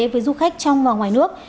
với du khách trong và ngoài nước